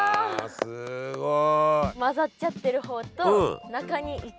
すごい。